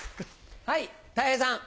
はいたい平さん。